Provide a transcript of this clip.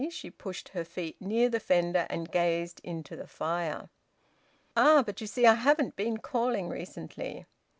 She pushed her feet near the fender, and gazed into the fire. "Ah! But you see I haven't been calling recently."